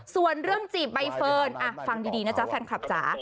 ส่วนเรื่องจีบใบเฟิร์นฟังดีนะจ๊ะแฟนคลับจ๋า